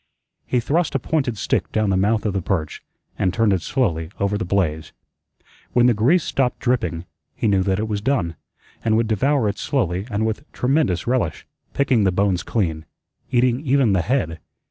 He thrust a pointed stick down the mouth of the perch, and turned it slowly over the blaze. When the grease stopped dripping, he knew that it was done, and would devour it slowly and with tremendous relish, picking the bones clean, eating even the head.